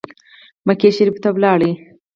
مکې شریفي ته ولاړ.